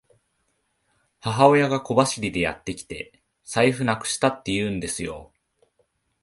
母親が小走りでやってきて、財布なくしたって言うんですよ。